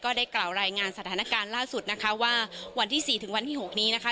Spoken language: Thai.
ได้กล่าวรายงานสถานการณ์ล่าสุดนะคะว่าวันที่๔ถึงวันที่๖นี้นะคะ